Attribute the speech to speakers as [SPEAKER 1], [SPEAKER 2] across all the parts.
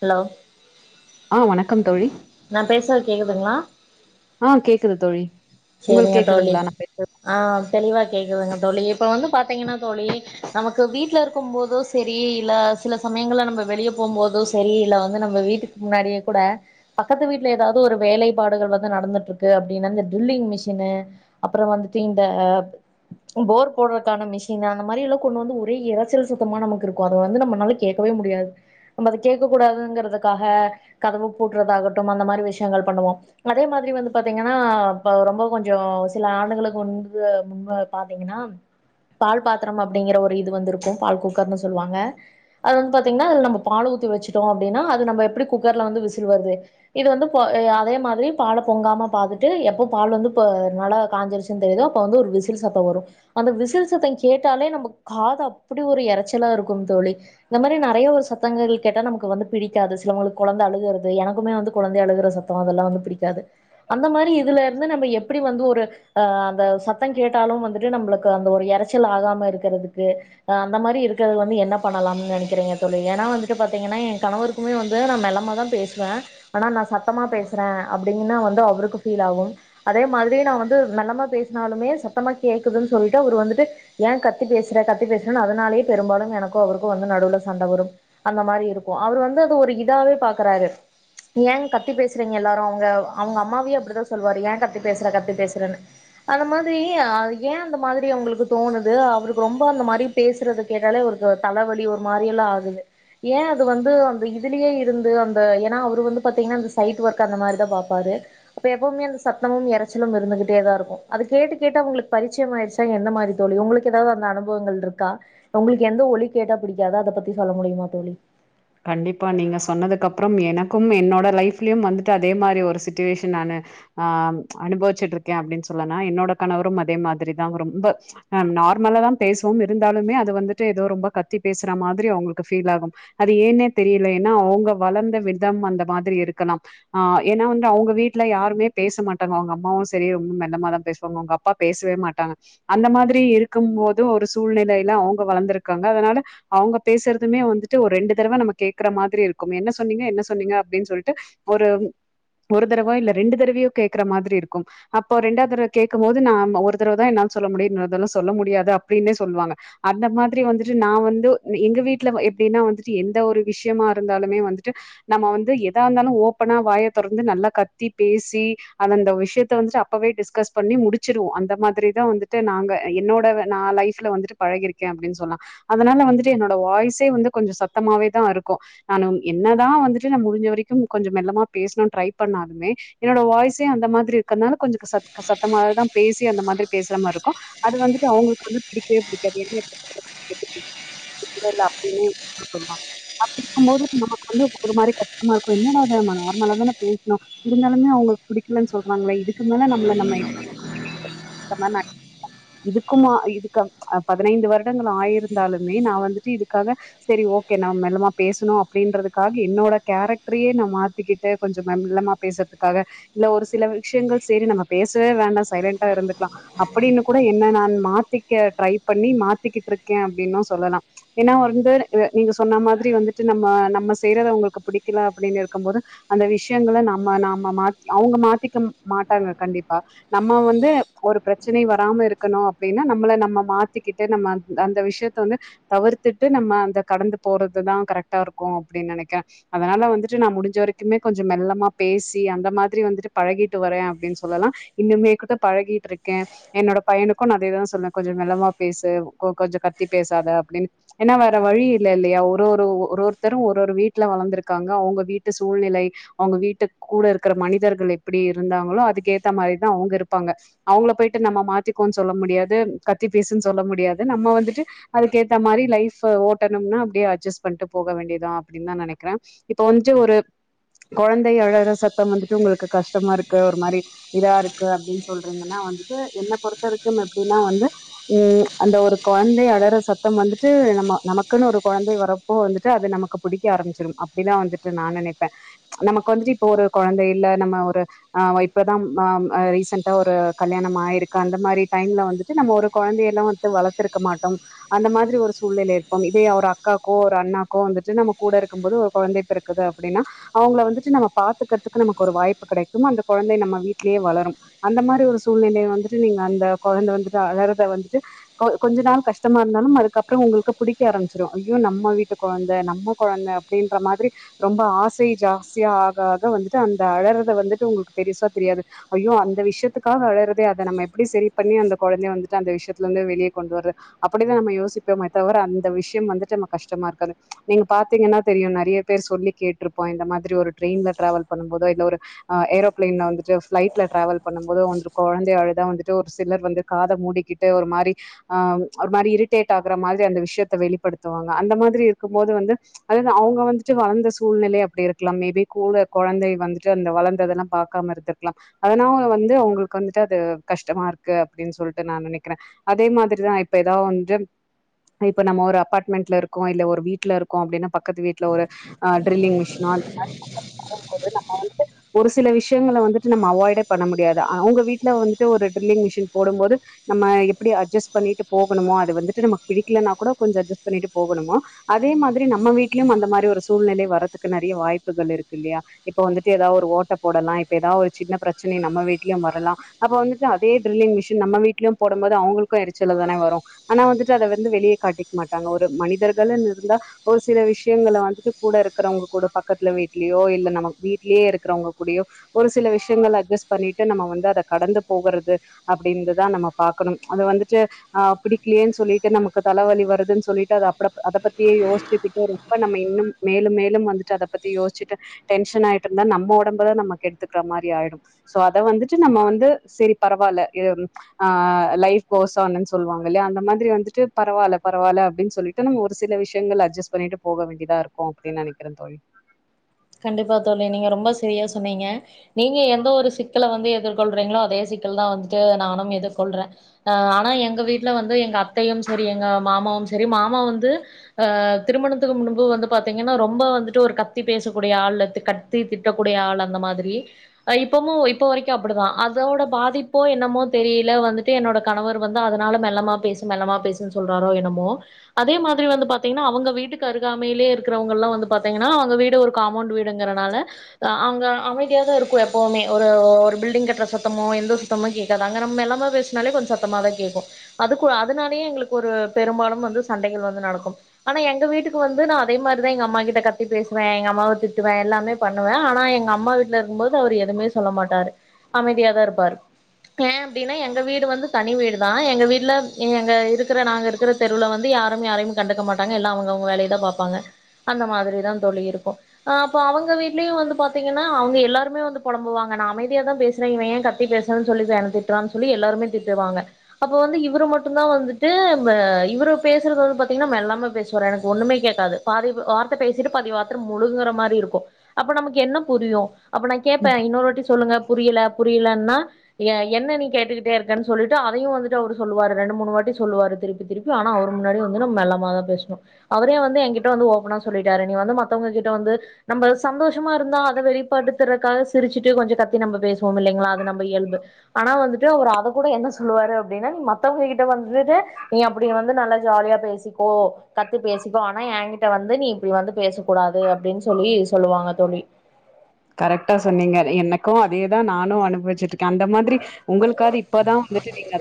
[SPEAKER 1] Hello
[SPEAKER 2] ஆ வணக்கம் தோழி
[SPEAKER 1] நா பேசுறது கேக்குதுங்களா
[SPEAKER 2] ஆ கேக்குது தோழி உங்களுக்கு
[SPEAKER 1] செரிங்க தோழி
[SPEAKER 2] கேக்குதுங்களா? நான் பே
[SPEAKER 1] ஆ தெளிவா கேக்குதுங்க தோழி இப்ப வந்து பாத்தீங்கன்னா தோழி நமக்கு வீட்டுல இருக்கும் போது செரி இல்ல சில சமயங்கள்ல நம்ம வெளிய போம்போதோ செரி இல்ல வந்து வீட்டுக்கு முன்னாடியே கூட பக்கத்து வீட்டுல எதாவது ஒரு வேலைபாடுகள் வந்து நடந்துட்டு இருக்கு அப்டின்ன ட்ரில்லிங் மிசின்னு அப்பறோ வந்துட்டு இந்த ஃபோர் போடுறக்கான மிசின்னு அந்த மாரிலா கொண்டு வந்து ஒரே எறைச்சல் சத்தமா நமக்கு இருக்கூ அத வந்து நம்மளால கேட்கவே முடியாது நம்ம அத கேட்க கூடாதுங்கிறதுக்காக கதவு பூட்றதாகட்டும் அந்த மாரி விஷயங்கள் பண்ணுவோம் அதே மாதிரி வந்து பாத்தீங்கன்னா அ ரொம்ப கொஞ்சோ சில ஆண்டுகளுக்கு முன்பு முன்பு பாத்தீங்கன்னா பால் பாத்ரம் அப்டிங்கிற ஒரு இது வந்து இருக்கும் பால் குக்கர்ன்னு சொல்லுவாங்க அது வந்து பாத்தீங்கன்னா அதுல நம்ம பால் ஊத்தி வச்சுட்டோ அப்டின்னா அது நம்ம எப்டி குக்கர்ல வந்து விசில் வருது இது வந்து ப எ அதே மாதிரி பால பொங்காம பாத்துட்டு எப்போ பால் வந்து ப நல்ல காங்சிருச்சினு தெரியுதோ அப்போ வந்து ஒரு விசில் சத்தோ வரு அந்த விசில் சத்தோ கேட்டாலே நமக்கு காது அப்புடி ஒரு எரைச்சலா இருக்கும் தோழி இந்த மாரி நெறைய ஒரு சத்தங்கள் கேட்ட நமக்கு வந்து பிடிக்காது சிலவங்களுக்கு கொழந்த அழுகுறது எனக்குமே வந்து குழந்தை அழகுற சத்தம் அதெல்லா வந்து பிடிக்காது அந்த மாரி இதுல வந்து நம்ம எப்புடி வந்து ஒரு ஆ அந்த சத்தோ கேட்டாலு வந்துட்டு நம்மளுக்கு அந்த ஒரு எரைச்சல் ஆகாம இருக்குறதுக்கு அஹ அந்த மாரி இருக்குறது வந்து என்ன பண்ணலாம்னு நெனக்கிறீங்க தோழி ஏன்னா வந்துட்டு பாத்தீங்கன்னா ஏ கணவருக்குமே வந்து நா மெல்லமா தா பேசுவே ஆனா நா சத்தமா பேசுறே அப்டின்னா வந்து அவருக்கு ஃபீல் ஆகும் அதே மாதிரி நா வந்து மெல்லமா பேஸ்னாலுமே சத்தமா கேக்குதுன்னு சொல்லிட்டு அவரு வந்துட்டு ஏ கத்தி பேசுற கத்தி பேசுறேன்னு அதனாலயே பெரும்பாலும் எனக்கும் அவருக்கும் வந்து நடுவுல சண்ட வரும் அந்த மாரி இருக்கோ அவரு வந்து அது ஒரு இதாவே பாக்குறாரு ஏ கத்தி பேசுறீங்க எல்லாரு அவுங்க அவுங்க அம்மாவே அப்டிதா சொல்லுவாரு ஏ கத்தி பேசுற கத்தி பேசுறனு அந்த மாதிரி அ ஏ அந்த மாதிரி அவுங்களுக்கு தோணுது அவருக்கு ரொம்ப அந்த மாரி பேசுறது கேட்டாலே ஒரு கொ தலவலி ஒரு மாரில்லா ஆகுது ஏ அது வந்து அந்த இதுலயே இருந்து அந் து ஏன்னா அவர் வந்து பாத்தீங்கன்னா அந்த சைட் ஒர்க் அந்த மாரிதா பாப்பாரு அப்ப எப்பவுமே அந் சத்தமும் எறைச்சலும் இருந்துகிட்டேதா இருக்கூ அது கேட்டு கேட்டு அவுங்களுக்கு பரிச்சியமாயிருச்சா எந்த மாரி தோழி உங்களுக்கு எதாவது அந்த அனுபவங்கள் இருக்கா உங்களுக்கு எந்த ஒலி கேட்டா பிடிக்காது அத பத்தி சொல்ல முடியுமா தோழி
[SPEAKER 2] கண்டிப்பா நீங்க சொன்னதுக்கு அப்பறம் எனக்கும் என்னோட லைஃப்லயும் வந்துட்டு அதே மாரி ஒரு சிட்டுவேஷன் நானு ஆ அனுபவிச்சிட்டு இருக்கே அப்டின்னு சொல்லா என்னோட கணவரும் அதே மாதிரிதா ரொம்ப அ நார்மலாதா பேசுவோம் இருந்தாலுமே அது வந்துட்டு எதோ ரொம்ப கத்தி பேசுற மாதிரி அவுங்களுக்கு ஃபீல் ஆகும் அது ஏன்னே தெரியல ஏன்னா அவுங்க வளர்ந்த விதம் அந்த மாதிரி இருக்கலாம் ஆ ஏன்னா வந்து அவுங்க வீட்டுல யாருமே பேச மாட்டாங்க அவுங்க அம்மாவு செரி ரொம்ப மெல்லமாதா பேசுவாங்க அவுங்க அப்பா பேசவே மாட்டாங்க அந்த மாதிரி இருக்கும் போது ஒரு சூழ்நிலையில அவுங்க வளர்ந்துருக்காங்க அதனால அவுங்க பேசுறதுமே வந்துட்டு டு ஒரு ரெண்டு தடவ நம்ம கேக்குற மாதிரி இருக்கும் என்ன சொன்னீங்க என்ன சொன்னீங்க அப்டின்னு சொல்லிட்டு ஒரு ஒரு தடவ இல்ல ரெண்டு தடவையோ கேக்குற மாதிரி இருக்கும் அப்போ ரெண்டா தடவை கேக்கும்போது நாம ஒரு தடவதா என்னால சொல்ல முடியும் இன்னொரு தடவலா சொல்ல முடியாது அப்டின்னே சொல்லுவாங்க அந்த மாதிரி வந்துட்டு நா வந்து எங்க வீட்டுல எப் எப்டினா வந்துட்டு எந்த ஒரு விஷயமா இருந்தாலுமே வந்துட்டு நம்ம வந்து எதா இருந்தாலு ஓப்பனா வாய தொறந்து நல்லா கத்தி பேசி அந்த விஷயத்த வந்துட்டு அப்பவே டிஸ்கஸ் பண்ணி முடிச்சுருவோ அந்த மாதிரிதா வந்துட்டு நாங்க என்னோட நா லைஃப்ல வந்துட்டு பழகிருக்கே அப்டின்னு சொல்லா அதனால வந்துட்டு என்னோட வாய்ஸே வந்து கொஞ்ச சத்தமாவே தா இருக்கூ நானும் என்னதா வந்துட்டு நா முடிஞ்ச வரைக்கும் கொஞ்ச மெல்லமா பேசணும்னு ட்ரை பண்ணாலுமே என்னோட வாய்ஸே அந்த மாதிரி இருக்கற்னால கொஞ்சோ கசத் க சத்தமாவதா பேசி அந்த மாதிரி பேசுற மாரி இருக்கும் அது வந்துட்டு அவுங்களுக்கு வந்து பிடிக்கவே பிடிக்காது [unintelligible] என்ன அப்டினே அப்டி இருக்கும் போது நமக்கு வந்து ஒரு மாதிரி கஷ்டமா இருக்கூ என்னடா இது நம்ம நார்மலா தான பேசணு இருந்தாலுமே அவுங்களுக்கு பிடிக்கலேன்னு சொல்றாங்கள இதுக்கு மேல நம்மள நம்ம [inaudible] இதுக்குமா இதுக்கு பதினைந்து வருடங்கள் ஆயிருந்தாலுமே நா வந்துட்டு இதுக்காக செரி ஓகே நம்ம மெல்லமா பேசணு அப்டின்றதுக்காக என்னோட கேரக்ட்ரையே நா மாத்திக்கிட்டு கொஞ்சோ மெல்லமா பேசுறதுக்காக இல்ல ஒரு சில விஷயங்கள் செரி நம்ம பேசவே வேண்டா சைலண்டா இருந்துக்கலா அப்டின்னு கூட என்ன நான் மாத்திக்க ட்ரை பண்ணி மாத்திக்கிட்டிருக்கே அப்டின்னு சொல்லலா ஏன்னா வந்து து நீங்க சொன்ன மாதிரி வந்துட்டு நம்ம நம்ம செய்றது அவுங்களுக்கு புடிக்கல அப்புடின்னு இருக்கும் போது அந்த விஷயங்கள நம்ம நாம மா அவுங்க மாத்திக்க மாட்டாங்க கண்டிப்பா நம்ம வந்து ஒரு பிரச்சனை வராம இருக்கணு அப்டின்னா நம்மள நம்ம மாத்திக்கிட்டு நம்ம அந்த விஷயத்த வந்து தவிர்த்துட்டு நம்ம அந்த கடந்து போறதுதா கரெக்டா இருக்கூ அப்டின்னு நெனக்குறே அதனால வந்துட்டு நா முடிஞ்ச வரைக்குமே கொஞ்சோ மெல்லமா பேசி அந்த மாதிரி வந்துட்டு பழகிட்டு வரே அப்டின்னு சொல்லலா இன்னுமே கூட பழகிட்டு இருக்கே என்னோட பையனுக்கு அதேதா சொல்லுவே கொஞ்சோ மெல்லமா பேசு கொஞ்சோ கத்தி பேசாத அப்டின்னு ஏன்னா வேற வழி இல்ல இல்லையா ஒரு ஒரு ஒரு ஒருத்தரும் ஒரு ஒரு வீட்டுல வளர்ந்துருக்காங்க அவுங்க வீட்டு சூழ்நிலை அவுங்க வீட்டு கூட இருக்குற மனிதர்கள் எப்டி இருந்தாங்களோ அதுக்கேத்த மாரிதா அவுங்க இருப்பாங்க அவுங்கள போயிட்டு நம்ம மாத்திக்கோன்னு சொல்ல முடியாது கத்தி பேசுன்னு சொல்ல முடியாது நம்ம வந்துட்டு அதுக்கேத்த மாரி லைஃப்ப ஓட் டனும்னா அப்டியே அட்ஜஸ்ட் பண்ணிட்டு போக வேண்டியதா அப்டின்னு தா நெனக்கிறே இப்போ வந்துட்டு ஒரு கொழந்தை அழற சத்தம் வந்துட்டு உங்களுக்கு கஷ்டமா இருக்கு ஒரு மாரி இதா இருக்கு அப்டின்னு சொல்றீங்கன்னா வந்துட்டு என்ன பொறுத்தக்கு எப்டின்னா வந்து ம் அந்த ஒரு கொழந்தை அழற சத்தம் வந்துட்டு நம்ம நமக் க்குனு ஒரு கொழந்தை வரப்போ வந்துட்டு அது நமக்கு புடிக்க ஆரம்மிச்சுரும் அப்டிதா வந்துட்டு நா நெனப்பே நமக்கு வந்துட்டு இப்ப ஒரு கொழந்தை இல்ல நம்ம ஒரு ஆ இப்பதா ம அ ரிசெண்ட்டா ஒரு கல்யாணம் ஆயிருக்கு அந்த மாரி டைம்ல வந்துட்டு நம்ம ஒரு கொழந்தையலா வந்துட்டு வளர்த்துருக்க மாட்டோம் அந்த மாதிரி ஒரு சூழ்நிலை இரு கும் இதே ஒரு அக்காக்கோ ஒரு அண்ணாக்கோ வந்துட்டு நம்ம கூட இருக்கும் போது ஒரு குழந்தை பிறக்குது அப்டின்னா அவுங்கள வந்துட்டு நம்ம பாத்துக்குறதுக்கு நமக்கு ஒரு வாய்ப்பு கிடைக்கும் அந்த குழந்தை நம்ம வீட்லேயே வளரும் அந்த மாதிரி ஒரு சூழ்நிலையை வந்துட்டு நீங்க அந்த கொழந்தை வந்துட்டு வளறத வந்துட்டு கொ கொஞ்ச நாள் கஷ்டமா இருந்தாலு அதுக்கப்பறோ உங்களுக்கு புடிக் [unintelligible] ஆரம்பிச்சிரு ஐயோ நம்ம வீட்டு கொழந்த நம்ம கொழந்த அப்டின்ற மாரி ரொம்ப ஆசை ஜாஸ்தியா ஆகாது வந்துட்டு அந்த அழறத வந்துட்டு உங்களுக்கு பெருசா தெரியாது ஐயோ அந்த விஷயத்துக்காக அழறதே அத நம்ம எப்டி செரி பண்ணி அந்த கொழந்தைய வந்துட்டு அந்த விஷயத்துல இருந்து வெளியே கொண்டு வர்ற அப்புடிதா நம்ம யோசிப்போமே தவர அந்த ந்த விஷயம் வந்துட்டு நம்ம கஷ்டமா இருக்க நீங்க பாத்தீங்கென்னா தெரியு நெறைய பேர் சொல்லி கேட்டுருப்போ இந்த மாதிரி ஒரு ட்ரெயின்ல ட்ராவல் பண்ணும் போது இல்ல ஒரு ஏரோப்ளைன்ல வந்துட்டு ஃப்லைட்ல ட்ராவெல் பண்ணும் போது [unintelligible] கொழந்தை அழுதா வந்துட்டு ஒரு சிலர் வந்து காத மூடிகிட்டு ஒரு மாரி அ ஒரு மாரி இரிடேட் ஆகுற மாரி அந்த விஷயத் வெளிப்படுத்துவாங்க அந்த மாதிரி இருக்கும்போது வந்து அதாவது அவுங்க வந்துட்டு வளர்ந்த சூழ்நிலை அப்டி இருக்கலாம் மே பி கூட கொழந்தை வந்துட்டு அந்த வளர்ந்ததெல்லாம் பாக்காம இருந்துருக்கலா அதனால வந்து அவுங்களுக்கு வந்துட்டு அது கஷ்டமா இருக்கு அப்டினு சொல்லிட்டு நா நெனைக்கிறே அதே மாதிரிதா இப்ப எதாவது வந்து இப்ப நம்ம ஒரு அபார்ட்மெண்ட்ல இருக்கோ இல்ல ஒரு வீட்ல இருக்கோ அப்டினா பக்கத்து வீட்ல ஒரு ட்ரில்லிங் மிஷினோ [inaudible] ஒரு சில விஷயங்கள வந்துட்டு நம்ம அவாய்டே பண்ண முடியாது அவுங்க வீட்ல வந்துட்டு ஒரு டிரில்லிங் மிஷின் போடும் போது நம்ம எப்டி அட்ஜஸ் பண்ணிட்டு போகணுமோ அது வந்துட்டு நமக்கு பிடிக்கலனா கூட கொஞ்சோ அட்ஜெஸ் பண்ணி போகணுமா அதே மாதிரி நம்ம வீட்லயும் அந்த மாரி ஒரு சூழ்நிலை வரதுக்கு நெறைய வாய்ப்புகள் இருக்கு இல்லையா இப்ப வந்துட்டு எதாவது ஒரு ஓட்ட போடலா இப்ப எதாது ஒரு சின்ன பிரச்சனை நம்ம வீட்லயும் வரலா அப்போ வந்துட்டு அதே ட்ரில்லிங் மெஷின் நம்ம வீட்லையும் போடும் போது அவுங்களுக்கு எரிச்சல தானே வரு ஆனா வந்துட்டு அத வந்து வெளிய காட்டிக்க மாட்டாங்க ஒரு மனிதர்களுனு இருந்தா ஒரு சில விஷயங்கள வந்துட்டு கூட இருக்குறவங்க கூட பக்கத்துல வீட்லயோ இல்ல நம்ம வீட்லயே இருக்குறவங்க கூடையோ ஒரு சில விஷயங்க அட்ஜஸ்ட் பண்ணிட்டு நம்ம வந்து அத கடந்து போகுறது அப்டின்ற தா நம்ம பாக்கணு அத வந்துட்டு ஆ பிடிக்கலையேனு சொல்ட்டு நம்ம தலவலி வருதுனு சொல்லிட்டு அத அப்ட அத பத்தியே யோசிச்சு கிட்டு ரொம்ப நம்ம இன்னு மேலும் மேலும் வந்துட்டு அத பத்தி யோசிட்டு டென்சன் ஆய்டு இருந்தா நம்ம ஒடம்புதா நம்ம கெடுத்துக்கிற மாரி ஆய்டு சோ அத வந்துட்டு நம்ம வந்து செரி பரவால்ல அ லைஃப் கோஷோ இல்லேன்னு சொல்லுவாங்கள்ளயா அந்த மாதிரி வந்துட்டு பரவால பரவால அப்டினு சொல்ட்டு நம்ம ஒரு சில விஷயங்கள் அட்ஜஸ்ட் பண்ணிட்டு போக வேண்டியதா இருக்கு அப்டினு நெனைக்கிறே தோழி
[SPEAKER 1] கண்டிப்பா தோழி நீங்க ரொம்ப செரியா சொன்னீங்க நீங்க எந்த ஒரு சிக்கல வந்து எதிர்கொள்றீங்களோ அதே சிக்கல்தா வந்துட்டு நானும் எதிர்கொள்றே அ ஆனா எங்க வீட் வந்து எங்க அத்தையும் செரி எங்க மாமாவும் செ செரி மாமா வந்து அ திருமணத்துக்கு முன்பு வந்து பாத்தீங்கனா ரொம்ப வந்துட்டு ஒரு கத்தி பேசு கூடிய ஆழத் கத்தி தீர்க்கக் கூடிய அந்த ஆள் மாதிரி அ இப்பவு இப்ப வரைக்கு அப்புடிதா அதோட பாதிப்போ என்னமோ தெரியில வந்துட்டு என்னோட கணவர் வந்து அதனால மெல்லமா பேசு மெல்லமா பேசு சொல்றாரோ என்னமோ அதே மாரி வந்துட்டு பாத்தீங்கனா அவுங்க வீட்டுக்கு அருகாமையிலே இருக்குறவங்களா வந்து பாத்தீங்கனா அவுங்க வீடு ஒரு காம்மவுண்ட் வீடுங்குறனால ஹ அங்க அமைதியாதா இருக்கு எப்போவுமே ஒரு ஒரு பில்டிங் கட்டுற சத்தமோ எந்த சத்தமோ கேட்காது அங்க நம்ம மெல்லமா பேசுனாலே கொஞ்சோ சத்தமாதா கேக் கேக்கூ அதுக்கு அதுனாலே எங்களுக்கு ஒரு பெரும்பாலும் வந்து சண்டைகள் வந்து நடக்கும் ஆனா எங்க வீட்டுக்கு வந்து நா அதே மாரி தா எங்க அம்மா கிட்ட கத்தி பேசுவே எங்க அம் அம்மாவ திட்டுவே எல்லாமே பண்ணுவே ஆனா எங்க அம்மா வீட்டுல இருக்கும்போது அவர் எதுவுமே சொல்ல மாட்டாரு அமைதியா தா இருப்பாரு ஏ அப்டினா எங்க வீடு வந்து தனி வீடு தா எங்க வீட்ல எங்க இருக்கிற நாங்க இருக்கிற தெருவுல வந்து யாருமே யாரையு கண்டுக்க மாட்டாங்க எல்லா அவங்க அவங்க வேலைய தா பாப்பாங்க அந்த மாரிதா தோளி இருக்கு ஆ அப்ப அவங்க வீட்லயு வந்து பாத்தீங்கனா அவங்க எல்லாருமே வந்து பொலம்பு வாங்க நா அமைதிய தா பேசுறே இவ ஏ கத்தி பேசற சொல்லி என்ன திட்டுறான்னு சொல்லி எல்லாருமே திட்டுவாங்க அப்ப வந்து இவுரு மட்டுந்தா வந்துட்டு ம இவுரு பேசுறது வந்து பாத்திங்கனா மெல்லமா பேசு வேர எனக்கு ஒண்ணமே கேக்காது பாதி வார்த்த பேசிட்டு பாதி வார்த்த மு முழுங்குற மாரி இருக்கு அப்ப நமக்கு என்ன புரியு அப்ப நா கேப்பே இன்னொருவாட்டி சொல்லுங்க புரியல பு ரியலன்னா எ என்ன நீ கேட்டுகிட்டே இருக்கன்னு சொல்லிட்டு அதையு வந்துட்டு அவரு சொல்லுவாரு ரெண்டு மூணு வாட்டி சொல்லுவாரு திருப்பி திருப்பி ஆனா அவரு முன்னாடி வந்து நா மெல்லமா தா பேசுனு அவரே வந்து என்கிட்ட ஓப்பனா சொல்லிட்டாரு நீ வந்து மத் மத்தவங்க கிட்ட வந்து நம்ப சந்தோஷமா இருந்தா அத வெளிப்படுத்துறக்காக சிரிச்சுட்டு கொஞ்சோ கத்தி நம்ப பேசுவோம் இல்லைங்களா அத நம் இயல்பு ஆனா வந்துட்டு அவர் அத கூட என்ன சொல்லுவாரு அப்டினா நீ மத்தவங்க கிட் கிட்ட வந்துட்டு நீ அப்டி வந்து நல்லா ஜாலியா பேசிக்கோ கத்தி பேசிக்கோ ஆனா என்கிட்ட வந்து நீ இப்டி வந்து பேச கூடாது அப்பிடினு சொல்லி சொல்லுவாங்க தோளி
[SPEAKER 2] கரெக்டா சொன்னீங்க எனக்கு அதேதா நானு அனுபவிச்சுட்டுக் அந்த மாதிரி உங்களுக்காவது இப்பதா வந்துட்டு நீங்க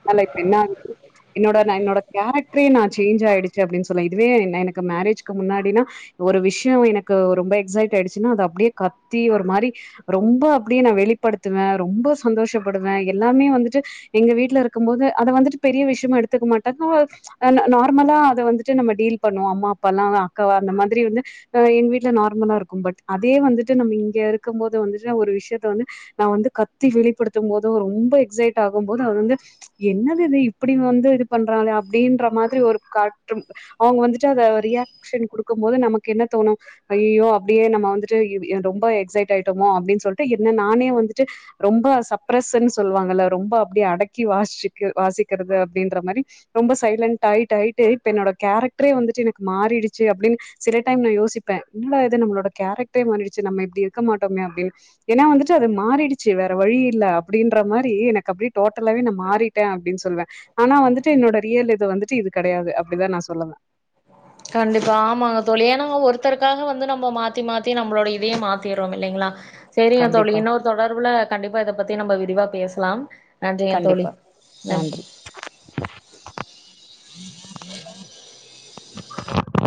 [SPEAKER 2] [inaudible] அதனால இப்ப என்ன ஆகுது என்னோட நா என்னோட கேரக்டரே நா சேஞ்ச் ஆயிடுச்சு அப்டினு சொல்லலா இதுவே என எனக்கு மேரேஜ்கு முன்னாடினா ஒரு விஷியோ எனக்கு ரொம்ப எக்ஸைட் ஆயிடுச்சுன்னா அத அப்டியே கத்தி ஒரு மாரி ரொம்ப அப்டியே நா வெளிப்படுத்துவே ரொம்ப சந்தோஷப்படுவே எல்லாமே வந்துட்டு எங்க வீட்ல இருக் க்கும்போது அத வந்துட்டு பெரிய விஷியமா எடுத்துக்க மாட்டாங்க ஓ ம்ச் நார்மலா அத வந்துட்டு நம்ம டீல் பண்ணுவோ அம்மா அப்பா எல்லா அக்கா அந்த மாதிரி வந்து ஆ எங்க வீட்ல நார்மலா இருக்கு பட் அதே வந்துட்டு நம்ப இங்க இருக்கும் போது வந்துட்டு ஒரு விஷயத்த வந்து நா வந்து கத்தி வெளிப்படுத்தும் போது ரொம்ப எக்ஸைட் ஆகும் போது அது வந்து ம்ச் என்னது இது இப்பிடி வந்து இது பண்றாங்க அப்டின்ற மாதிரி ஒரு காற்று அவங்க வந்துட்டு அத ரியாக்ஷன் கொடுக்கும் போது நமக்கு என்ன தோணு ஐயோ அப்டியே நம்ம வந்துட்டு இ ஏ ரொம்போ எக்ஸைட் ஆயிட்டோமோ அப்டினு சொல்ட்டு என்ன நானே வந்துட்டு ரொம்ப சப்ரஸ்ன்னு சொல்லுவாங்கல்ல ரொம்ப அப்டியே அடக்கி வாசிச்சு கு வாசிக்கிறது அப்டின்ற மாரி ரொம்ப சைலண்ட் ஆயிட்டு ஆயிட்டு இப்ப என்னோட கேரக்டரே வந்துட்டு எனக்கு மாறிடுச்சு அப்டினு சில டைம் நா யோசிப்பே என்னடா இது நம்மளோட கேரக்டரே மாறிடுச்சு நம்ம இப்டி இருக்க மாட்டோமே அப்டின்னு ஏன்னா வந்துட்டு அது மாறிடுச்சு வேற வழி இல்ல அப்டின்ற மாரி எனக்கு அப்பிடியே டோட்டலாவே நா மாறி ட்டே அப்டினு சொல்வே ஆனா வந்துட்டு என்னோட ரியல் இது வந்துட்டு இது கெடையாது அப்டிதா நா சொல்லவே
[SPEAKER 1] கண்டிப்பா ஆமாங்க தோளி ஏனா ஒருத்தருக்காக வந்து நம்ம மாத் மாத்தி மாத்தி நம்மளோட இதையே மாத்திறோமில்லேங்களா சரிங்க தோளி இன்னொரு தொடர்புல கண்டிப்பா இத பத்தி நம்ம விரிவா பேசலாம் நன்றிங்க தோளி
[SPEAKER 2] கண்டிப்பா
[SPEAKER 1] நன்றி